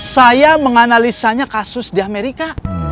saya menganalisanya kasus di amerika